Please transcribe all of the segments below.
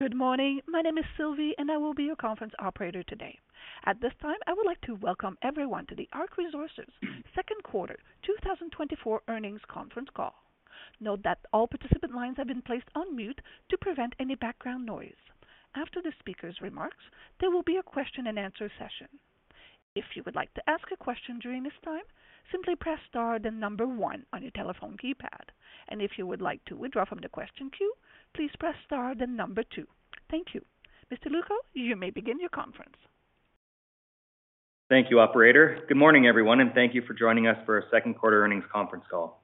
Good morning. My name is Sylvie, and I will be your conference operator today. At this time, I would like to welcome everyone to the ARC Resources Second Quarter 2024 Earnings Conference Call. Note that all participant lines have been placed on mute to prevent any background noise. After the speaker's remarks, there will be a question-and-answer session. If you would like to ask a question during this time, simply press star then number one on your telephone keypad. If you would like to withdraw from the question queue, please press star then number two. Thank you. Mr. Lucko, you may begin your conference. Thank you, Operator. Good morning, everyone, and thank you for joining us for our Second Quarter Earnings Conference Call.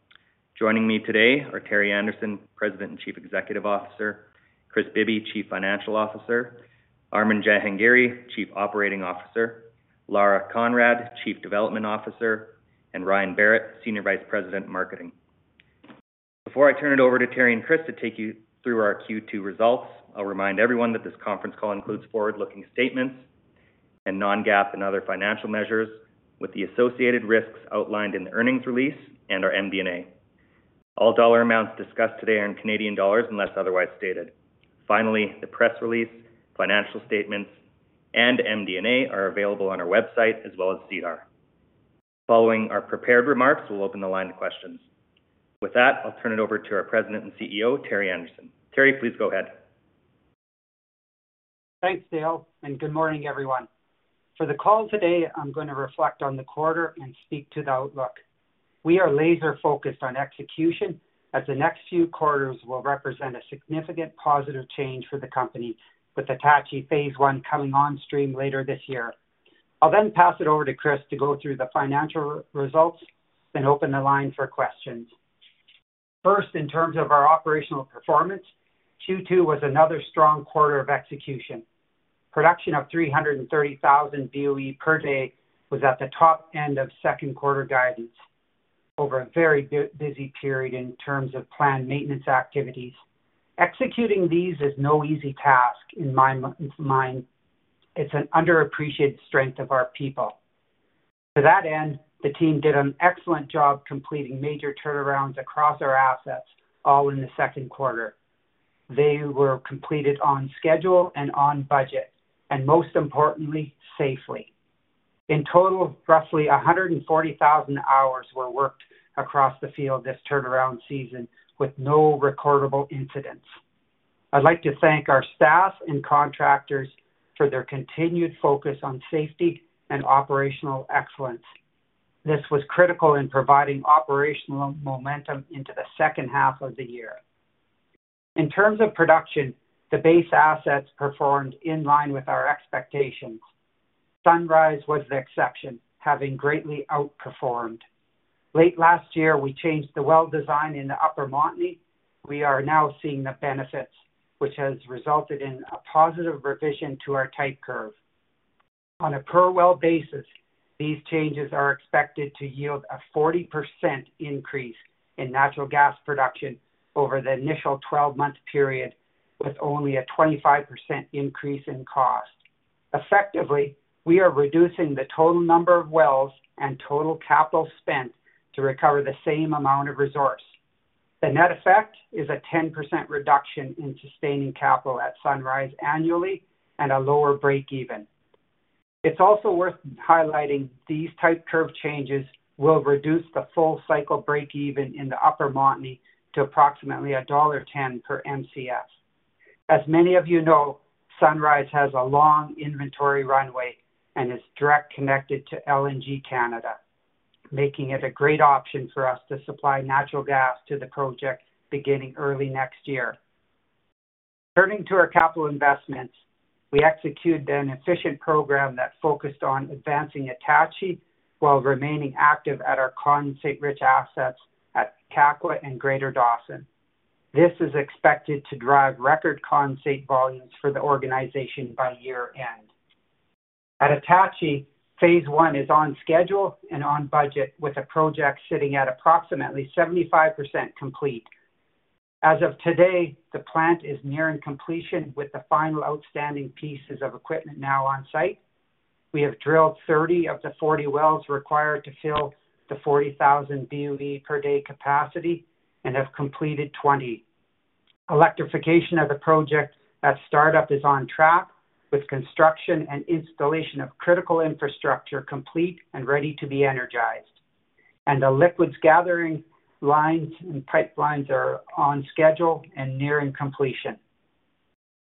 Joining me today are Terry Anderson, President and Chief Executive Officer, Kris Bibby, Chief Financial Officer, Armin Jahangiri, Chief Operating Officer, Lara Conrad, Chief Development Officer, and Ryan Berrett, Senior Vice President, Marketing. Before I turn it over to Terry and Kris to take you through our Q2 results, I'll remind everyone that this conference call includes forward-looking statements and non-GAAP and other financial measures, with the associated risks outlined in the earnings release and our MD&A. All dollar amounts discussed today are in Canadian dollars unless otherwise stated. Finally, the press release, financial statements, and MD&A are available on our website, as well as SEDAR+. Following our prepared remarks, we'll open the line to questions. With that, I'll turn it over to our President and CEO, Terry Anderson. Terry, please go ahead. Thanks, Dale, and good morning, everyone. For the call today, I'm going to reflect on the quarter and speak to the outlook. We are laser-focused on execution, as the next few quarters will represent a significant positive change for the company, with Attachie Phase I coming on stream later this year. I'll then pass it over to Kris to go through the financial results and open the line for questions. First, in terms of our operational performance, Q2 was another strong quarter of execution. Production of 330,000 BOE per day was at the top end of second quarter guidance. Over a very busy period in terms of planned maintenance activities, executing these is no easy task in my mind. It's an underappreciated strength of our people. To that end, the team did an excellent job completing major turnarounds across our assets, all in the second quarter. They were completed on schedule and on budget, and most importantly, safely. In total, roughly 140,000 hours were worked across the field this turnaround season, with no recordable incidents. I'd like to thank our staff and contractors for their continued focus on safety and operational excellence. This was critical in providing operational momentum into the second half of the year. In terms of production, the base assets performed in line with our expectations. Sunrise was the exception, having greatly outperformed. Late last year, we changed the well design in the Upper Montney. We are now seeing the benefits, which has resulted in a positive revision to our type curve. On a per well basis, these changes are expected to yield a 40% increase in natural gas production over the initial 12-month period, with only a 25% increase in cost. Effectively, we are reducing the total number of wells and total capital spent to recover the same amount of resource. The net effect is a 10% reduction in sustaining capital at Sunrise annually and a lower break-even. It's also worth highlighting these type curve changes will reduce the full cycle break-even in the Upper Montney to approximately $1.10 per MCF. As many of you know, Sunrise has a long inventory runway and is directly connected to LNG Canada, making it a great option for us to supply natural gas to the project beginning early next year. Turning to our capital investments, we executed an efficient program that focused on advancing Attachie while remaining active at our condensate assets at Kakwa and Greater Dawson. This is expected to drive record condensate volumes for the organization by year-end. At Attachie, Phase I is on schedule and on budget, with the project sitting at approximately 75% complete. As of today, the plant is nearing completion, with the final outstanding pieces of equipment now on site. We have drilled 30 of the 40 wells required to fill the 40,000 BOE per day capacity and have completed 20. Electrification of the project at startup is on track, with construction and installation of critical infrastructure complete and ready to be energized. And the liquids gathering lines and pipelines are on schedule and nearing completion.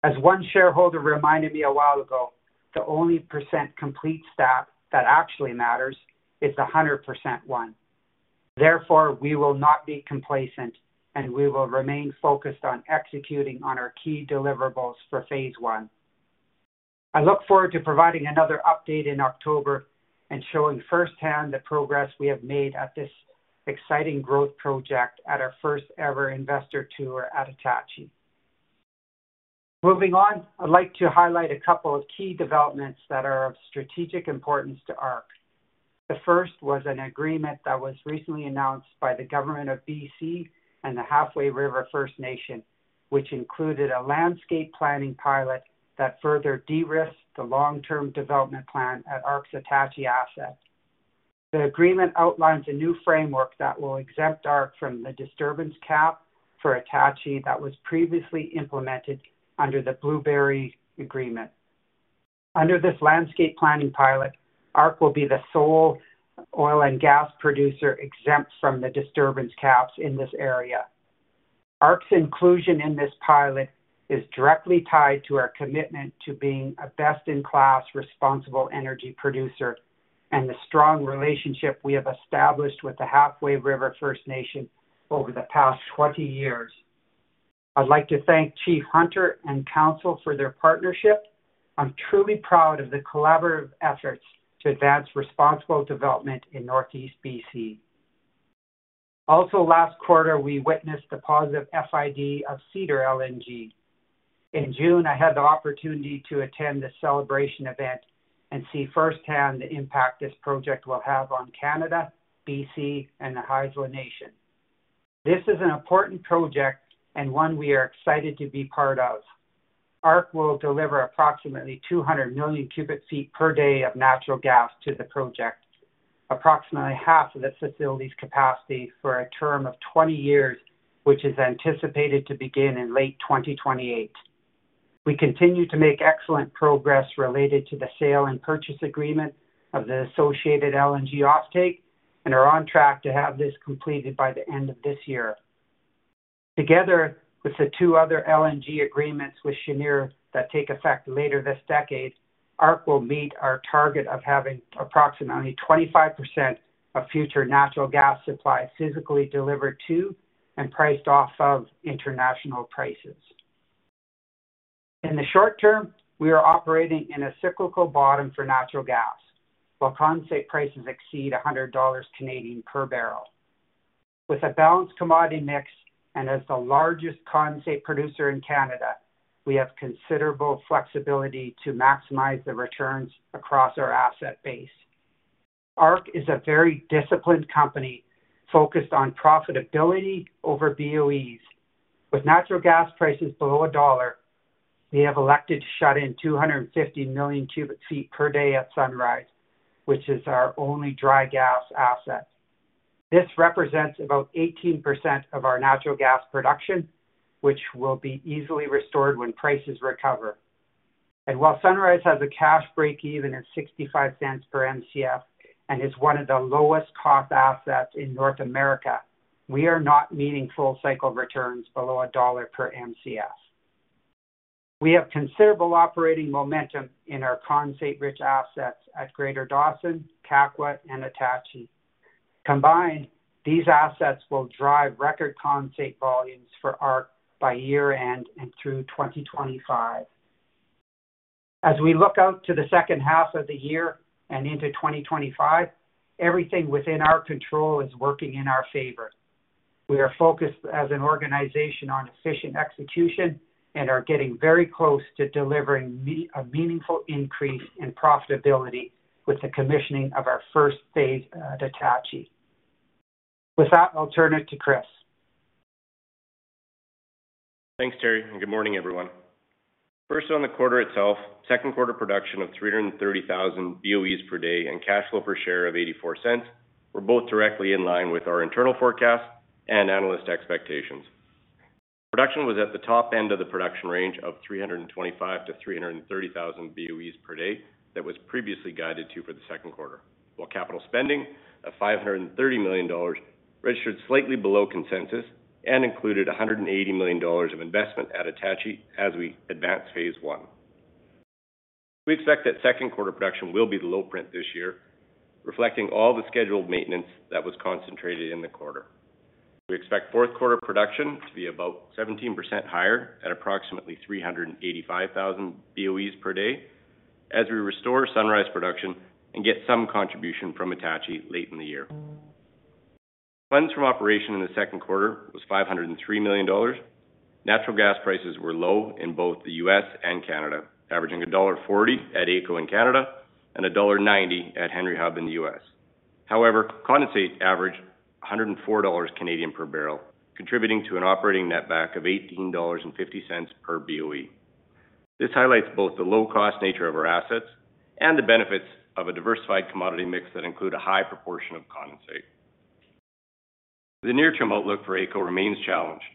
As one shareholder reminded me a while ago, the only percent complete stat that actually matters is the 100% one. Therefore, we will not be complacent, and we will remain focused on executing on our key deliverables for Phase I. I look forward to providing another update in October and showing firsthand the progress we have made at this exciting growth project at our first-ever investor tour at Attachie. Moving on, I'd like to highlight a couple of key developments that are of strategic importance to ARC. The first was an agreement that was recently announced by the government of BC and the Halfway River First Nation, which included a landscape planning pilot that further de-risked the long-term development plan at ARC's Attachie asset. The agreement outlines a new framework that will exempt ARC from the disturbance cap for Attachie that was previously implemented under the Blueberry Agreement. Under this landscape planning pilot, ARC will be the sole oil and gas producer exempt from the disturbance caps in this area. ARC's inclusion in this pilot is directly tied to our commitment to being a best-in-class responsible energy producer and the strong relationship we have established with the Halfway River First Nation over the past 20 years. I'd like to thank Chief Hunter and Council for their partnership. I'm truly proud of the collaborative efforts to advance responsible development in Northeast BC. Also, last quarter, we witnessed the positive FID of Cedar LNG. In June, I had the opportunity to attend the celebration event and see firsthand the impact this project will have on Canada, BC, and the Haisla Nation. This is an important project and one we are excited to be part of. ARC will deliver approximately 200 million cubic feet per day of natural gas to the project, approximately half of the facility's capacity for a term of 20 years, which is anticipated to begin in late 2028. We continue to make excellent progress related to the sale and purchase agreement of the associated LNG offtake and are on track to have this completed by the end of this year. Together with the two other LNG agreements with Cheniere that take effect later this decade, ARC will meet our target of having approximately 25% of future natural gas supply physically delivered to and priced off of international prices. In the short term, we are operating in a cyclical bottom for natural gas while condensate prices exceed 100 Canadian dollars per barrel. With a balanced commodity mix and as the largest condensate producer in Canada, we have considerable flexibility to maximize the returns across our asset base. ARC is a very disciplined company focused on profitability over BOEs. With natural gas prices below $1, we have elected to shut in 250 million cubic feet per day at Sunrise, which is our only dry gas asset. This represents about 18% of our natural gas production, which will be easily restored when prices recover. And while Sunrise has a cash break-even of $0.65 per MCF and is one of the lowest-cost assets in North America, we are not meeting full cycle returns below $1 per MCF. We have considerable operating momentum in our condensate assets at Greater Dawson, Kakwa, and Attachie. Combined, these assets will drive record condensate volumes for ARC by year-end and through 2025. As we look out to the second half of the year and into 2025, everything within our control is working in our favor. We are focused as an organization on efficient execution and are getting very close to delivering a meaningful increase in profitability with the commissioning of our first phase at Attachie. With that, I'll turn it to Kris. Thanks, Terry. And good morning, everyone. First, on the quarter itself, second quarter production of 330,000 BOEs per day and cash flow per share of $0.84 were both directly in line with our internal forecast and analyst expectations. Production was at the top end of the production range of 325,000-330,000 BOEs per day that was previously guided to for the second quarter, while capital spending of $530 million registered slightly below consensus and included $180 million of investment at Attachie as we advance Phase I. We expect that second quarter production will be the low print this year, reflecting all the scheduled maintenance that was concentrated in the quarter. We expect fourth quarter production to be about 17% higher at approximately 385,000 BOEs per day as we restore Sunrise production and get some contribution from Attachie late in the year. Cash from operations in the second quarter was 503 million dollars. Natural gas prices were low in both the U.S. and Canada, averaging dollar 1.40 at AECO in Canada and $1.90 at Henry Hub in the U.S. However, condensate averaged 104 Canadian dollars Canadian per barrel, contributing to an operating netback of 18.50 dollars per BOE. This highlights both the low-cost nature of our assets and the benefits of a diversified commodity mix that includes a high proportion of condensate. The near-term outlook for AECO remains challenged.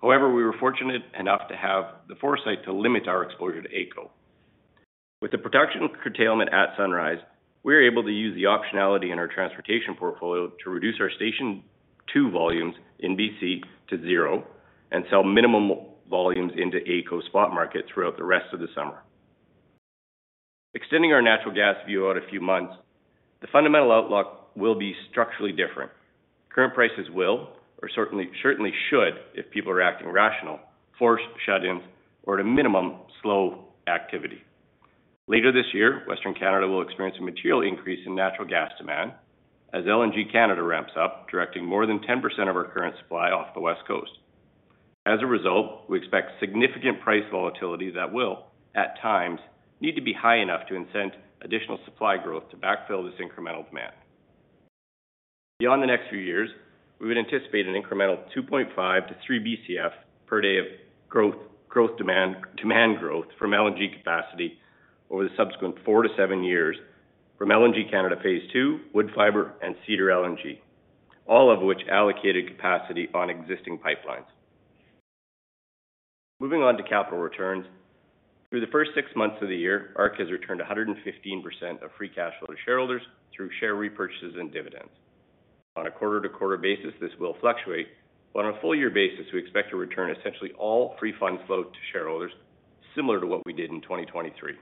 However, we were fortunate enough to have the foresight to limit our exposure to AECO. With the production curtailment at Sunrise, we were able to use the optionality in our transportation portfolio to reduce our Station 2 volumes in BC to zero and sell minimum volumes into AECO spot market throughout the rest of the summer. Extending our natural gas view out a few months, the fundamental outlook will be structurally different. Current prices will, or certainly should, if people are acting rational, force shut-ins or, at a minimum, slow activity. Later this year, Western Canada will experience a material increase in natural gas demand as LNG Canada ramps up, directing more than 10% of our current supply off the West Coast. As a result, we expect significant price volatility that will, at times, need to be high enough to incent additional supply growth to backfill this incremental demand. Beyond the next few years, we would anticipate an incremental 2.5-3 BCF per day of growth demand growth from LNG capacity over the subsequent four to seven years from LNG Canada Phase 2, Woodfibre, and Cedar LNG, all of which allocated capacity on existing pipelines. Moving on to capital returns, through the first six months of the year, ARC has returned 115% of free cash flow to shareholders through share repurchases and dividends. On a quarter-to-quarter basis, this will fluctuate, but on a full-year basis, we expect to return essentially all free funds flow to shareholders, similar to what we did in 2023.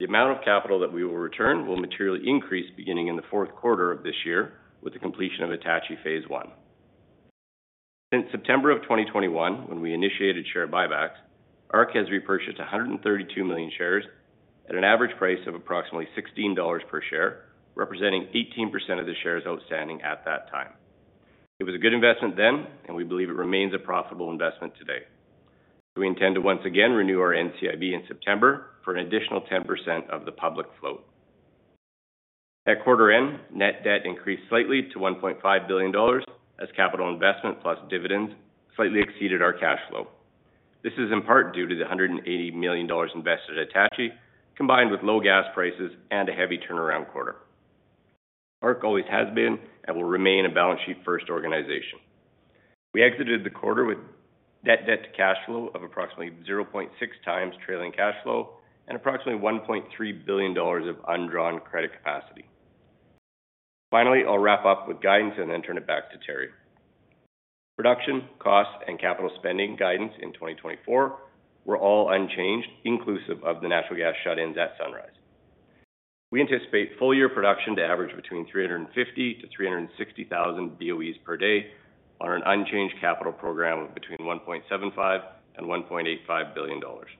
The amount of capital that we will return will materially increase beginning in the fourth quarter of this year with the completion of Attachie Phase I. Since September of 2021, when we initiated share buybacks, ARC has repurchased 132 million shares at an average price of approximately $16 per share, representing 18% of the shares outstanding at that time. It was a good investment then, and we believe it remains a profitable investment today. We intend to once again renew our NCIB in September for an additional 10% of the public float. At quarter end, net debt increased slightly to 1.5 billion dollars as capital investment plus dividends slightly exceeded our cash flow. This is in part due to the 180 million dollars invested at Attachie, combined with low gas prices and a heavy turnaround quarter. ARC always has been and will remain a balance sheet-first organization. We exited the quarter with net debt to cash flow of approximately 0.6 times trailing cash flow and approximately 1.3 billion dollars of undrawn credit capacity. Finally, I'll wrap up with guidance and then turn it back to Terry. Production, cost, and capital spending guidance in 2024 were all unchanged, inclusive of the natural gas shut-ins at Sunrise. We anticipate full-year production to average between 350,000-360,000 BOEs per day on an unchanged capital program of between 1.75 billion-1.85 billion dollars.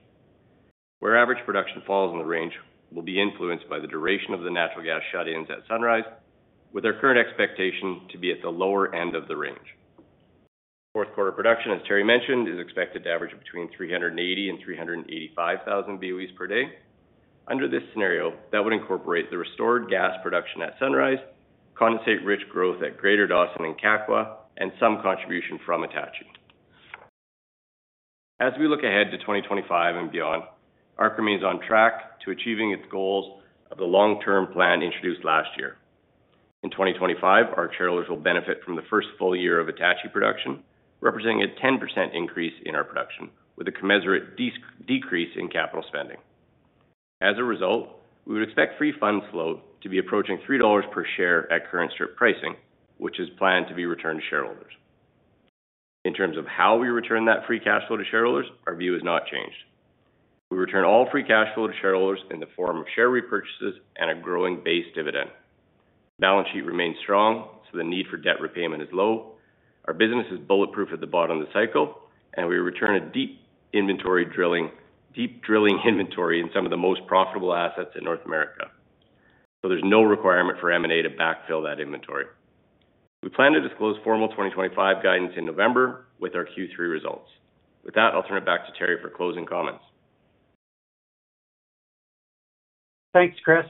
Where average production falls in the range, we'll be influenced by the duration of the natural gas shut-ins at Sunrise, with our current expectation to be at the lower end of the range. Fourth quarter production, as Terry mentioned, is expected to average between 380,000-385,000 BOEs per day. Under this scenario, that would incorporate the restored gas production at Sunrise, condensate growth at Greater Dawson and Kakwa, and some contribution from Attachie. As we look ahead to 2025 and beyond, ARC remains on track to achieving its goals of the long-term plan introduced last year. In 2025, our shareholders will benefit from the first full year of Attachie production, representing a 10% increase in our production, with a commensurate decrease in capital spending. As a result, we would expect free funds flow to be approaching $3 per share at current strip pricing, which is planned to be returned to shareholders. In terms of how we return that free cash flow to shareholders, our view has not changed. We return all free cash flow to shareholders in the form of share repurchases and a growing base dividend. Balance sheet remains strong, so the need for debt repayment is low. Our business is bulletproof at the bottom of the cycle, and we return a deep inventory drilling inventory in some of the most profitable assets in North America. So there's no requirement for M&A to backfill that inventory. We plan to disclose formal 2025 guidance in November with our Q3 results. With that, I'll turn it back to Terry for closing comments. Thanks, Kris.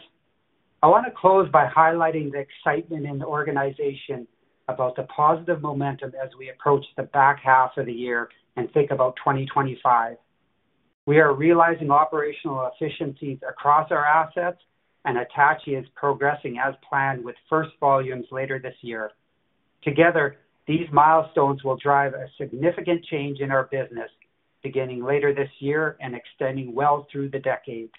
I want to close by highlighting the excitement in the organization about the positive momentum as we approach the back half of the year and think about 2025. We are realizing operational efficiencies across our assets, and Attachie is progressing as planned with first volumes later this year. Together, these milestones will drive a significant change in our business beginning later this year and extending well through the decade.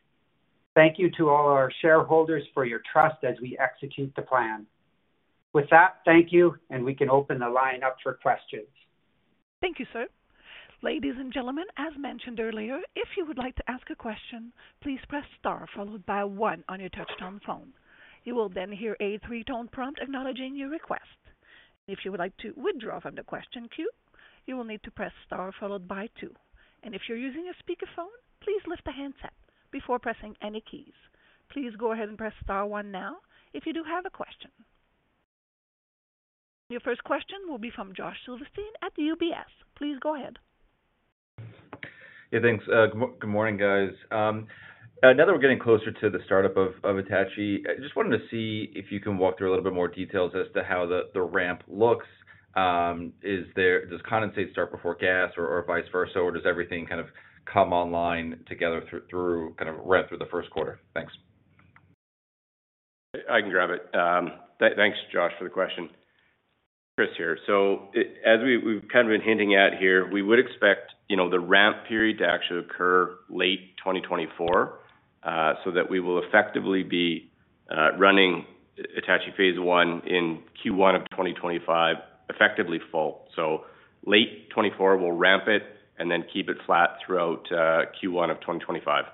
Thank you to all our shareholders for your trust as we execute the plan. With that, thank you, and we can open the line up for questions. Thank you, sir. Ladies and gentlemen, as mentioned earlier, if you would like to ask a question, please press star followed by one on your touch-tone phone. You will then hear a three-tone prompt acknowledging your request. If you would like to withdraw from the question queue, you will need to press star followed by two. And if you're using a speakerphone, please lift the handset before pressing any keys. Please go ahead and press star one now if you do have a question. Your first question will be from Josh Silverstein at UBS. Please go ahead. Yeah, thanks. Good morning, guys. Now that we're getting closer to the startup of Attachie, I just wanted to see if you can walk through a little bit more details as to how the ramp looks. Does condensate start before gas or vice versa, or does everything kind of come online together through kind of ramp through the first quarter? Thanks. I can grab it. Thanks, Josh, for the question. This is Kris here. So as we've kind of been hinting at here, we would expect the ramp period to actually occur late 2024 so that we will effectively be running Attachie Phase I in Q1 of 2025 effectively full. So late 2024, we'll ramp it and then keep it flat throughout Q1 of 2025.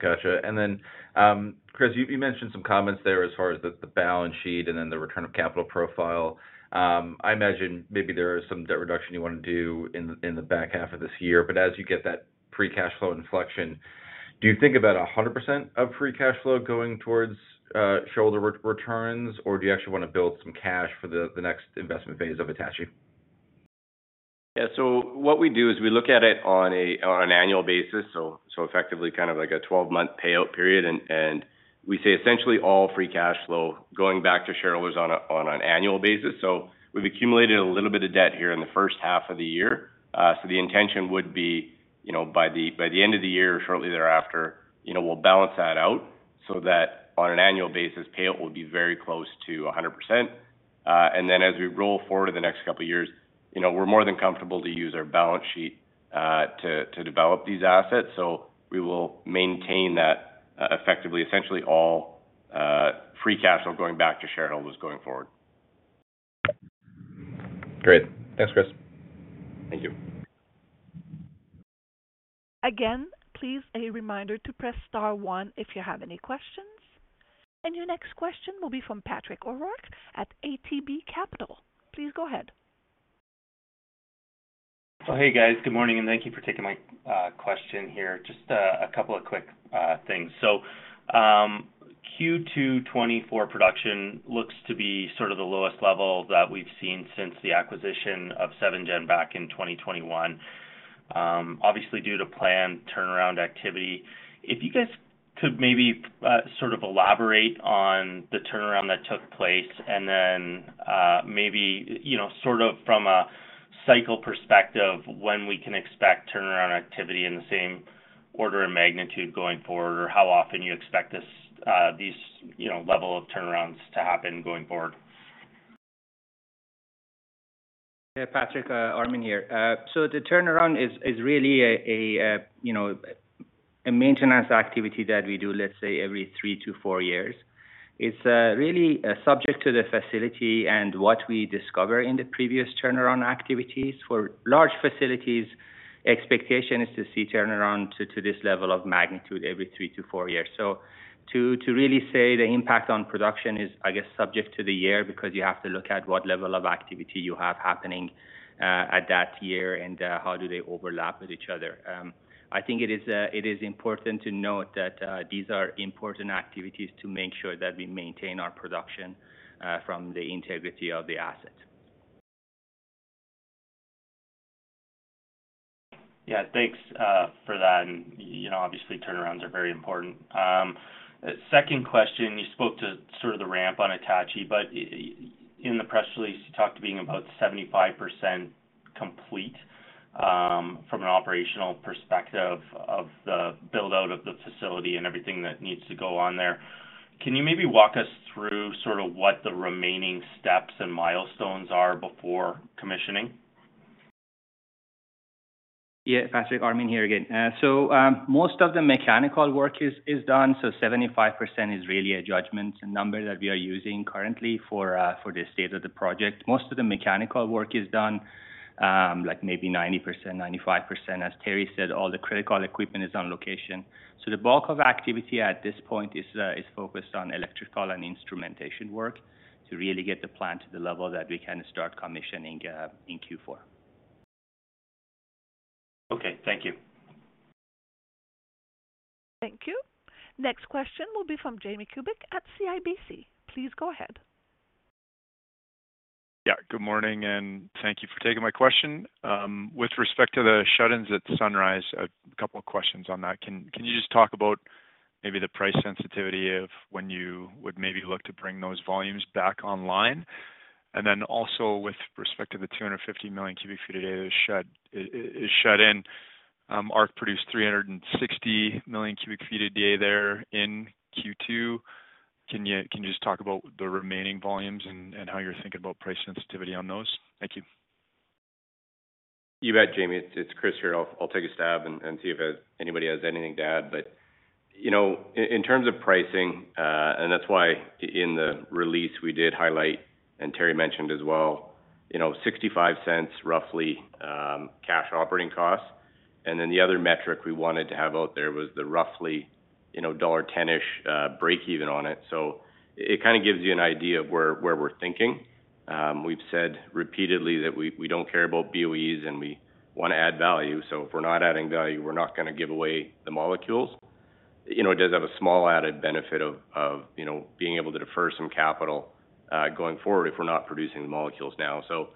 Gotcha. And then, Kris, you mentioned some comments there as far as the balance sheet and then the return of capital profile. I imagine maybe there is some debt reduction you want to do in the back half of this year. But as you get that pre-cash flow inflection, do you think about 100% of free cash flow going towards shareholder returns, or do you actually want to build some cash for the next investment phase of Attachie? Yeah. So what we do is we look at it on an annual basis, so effectively kind of like a 12-month payout period. And we say essentially all free cash flow going back to shareholders on an annual basis. So we've accumulated a little bit of debt here in the first half of the year. So the intention would be by the end of the year or shortly thereafter, we'll balance that out so that on an annual basis, payout will be very close to 100%. And then as we roll forward in the next couple of years, we're more than comfortable to use our balance sheet to develop these assets. So we will maintain that effectively essentially all free cash flow going back to shareholders going forward. Great. Thanks, Kris. Thank you. Again, please, a reminder to press star one if you have any questions. And your next question will be from Patrick O'Rourke at ATB Capital. Please go ahead. So hey, guys. Good morning, and thank you for taking my question here. Just a couple of quick things. So Q2 2024 production looks to be sort of the lowest level that we've seen since the acquisition of Seven Gen back in 2021, obviously due to planned turnaround activity. If you guys could maybe sort of elaborate on the turnaround that took place and then maybe sort of from a cycle perspective, when we can expect turnaround activity in the same order and magnitude going forward, or how often you expect these levels of turnarounds to happen going forward. Yeah, Patrick, Armin here. So the turnaround is really a maintenance activity that we do, let's say, every 3-4 years. It's really subject to the facility and what we discover in the previous turnaround activities. For large facilities, the expectation is to see turnaround to this level of magnitude every 3-4 years. So to really say the impact on production is, I guess, subject to the year because you have to look at what level of activity you have happening at that year and how do they overlap with each other. I think it is important to note that these are important activities to make sure that we maintain our production from the integrity of the assets. Yeah, thanks for that. And obviously, turnarounds are very important. Second question, you spoke to sort of the ramp on Attachie, but in the press release, you talked to being about 75% complete from an operational perspective of the build-out of the facility and everything that needs to go on there. Can you maybe walk us through sort of what the remaining steps and milestones are before commissioning? Yeah, Patrick, Armin here again. So most of the mechanical work is done. So 75% is really a judgment number that we are using currently for the state of the project. Most of the mechanical work is done, like maybe 90%, 95%, as Terry said, all the critical equipment is on location. So the bulk of activity at this point is focused on electrical and instrumentation work to really get the plant to the level that we can start commissioning in Q4. Okay. Thank you. Thank you. Next question will be from Jamie Kubik at CIBC. Please go ahead. Yeah. Good morning, and thank you for taking my question. With respect to the shut-ins at Sunrise, a couple of questions on that. Can you just talk about maybe the price sensitivity of when you would maybe look to bring those volumes back online? And then also with respect to the 250 million cubic feet a day that is shut in, ARC produced 360 million cubic feet a day there in Q2. Can you just talk about the remaining volumes and how you're thinking about price sensitivity on those? Thank you. You bet, Jamie. It's Kris here. I'll take a stab and see if anybody has anything to add. But in terms of pricing, and that's why in the release we did highlight, and Terry mentioned as well, 0.65 roughly cash operating costs. And then the other metric we wanted to have out there was the roughly $10-ish break-even on it. So it kind of gives you an idea of where we're thinking. We've said repeatedly that we don't care about BOEs and we want to add value. So if we're not adding value, we're not going to give away the molecules. It does have a small added benefit of being able to defer some capital going forward if we're not producing the molecules now. So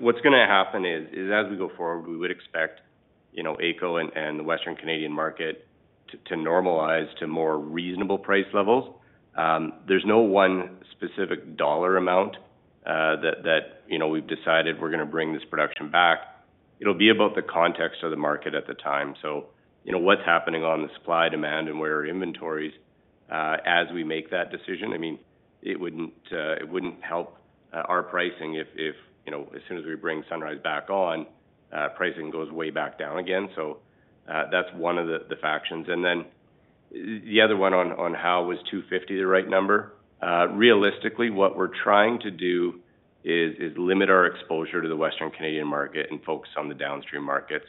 what's going to happen is, as we go forward, we would expect AECO and the Western Canadian market to normalize to more reasonable price levels. There's no one specific dollar amount that we've decided we're going to bring this production back. It'll be about the context of the market at the time. So what's happening on the supply demand and where are inventories as we make that decision? I mean, it wouldn't help our pricing if as soon as we bring Sunrise back on, pricing goes way back down again. So that's one of the factors. And then the other one on how was 250 the right number? Realistically, what we're trying to do is limit our exposure to the Western Canadian market and focus on the downstream markets.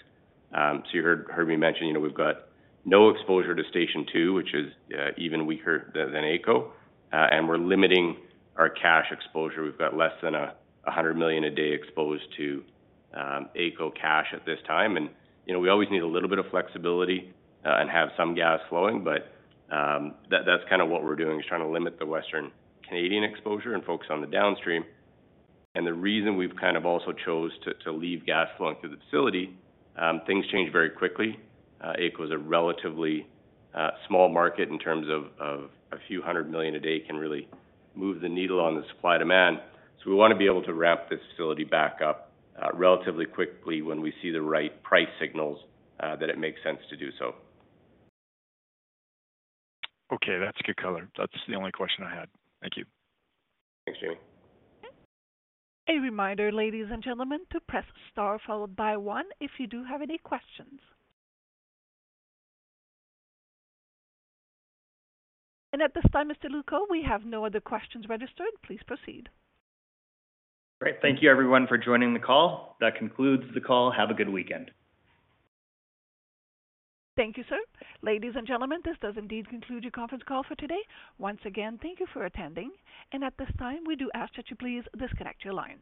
So you heard me mention we've got no exposure to Station 2, which is even weaker than AECO, and we're limiting our cash exposure. We've got less than 100 million a day exposed to AECO cash at this time. And we always need a little bit of flexibility and have some gas flowing, but that's kind of what we're doing is trying to limit the Western Canadian exposure and focus on the downstream. And the reason we've kind of also chose to leave gas flowing through the facility, things change very quickly. AECO is a relatively small market in terms of CAD a few hundred million a day can really move the needle on the supply demand. So we want to be able to ramp this facility back up relatively quickly when we see the right price signals that it makes sense to do so. Okay. That's good color. That's the only question I had. Thank you. Thanks, Jamie. A reminder, ladies and gentlemen, to press star followed by one if you do have any questions. At this time, Mr. Lewko, we have no other questions registered. Please proceed. Great. Thank you, everyone, for joining the call. That concludes the call. Have a good weekend. Thank you, sir. Ladies and gentlemen, this does indeed conclude your conference call for today. Once again, thank you for attending. At this time, we do ask that you please disconnect your lines.